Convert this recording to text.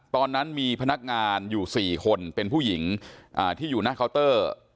ตอนนั้นมีพนักงานอยู่๔คนเป็นผู้หญิงที่อยู่หน้าเคาน์เตอร์